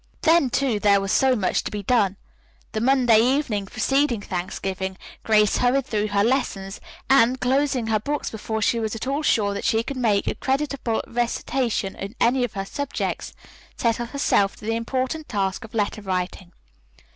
Then, too, there was so much to be done. The Monday evening preceding Thanksgiving Grace hurried through her lessons and, closing her books before she was at all sure that she could make a creditable recitation in any of her subjects, settled herself to the important task of letter writing.